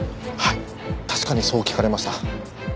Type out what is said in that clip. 確かにそう聞かれました。